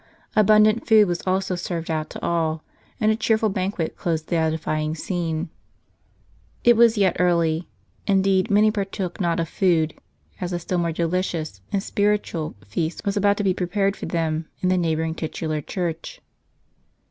Abundant food was also served out to all, and a cheerful banquet closed the edifying scene. It was yet early : indeed many partook not of food, as a still more deli cious, and spiritual, feast was about to be prepared for them in the neighboring titular church.